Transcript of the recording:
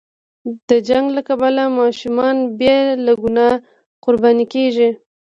د جنګ له کبله ماشومان بې له ګناه قرباني کېږي.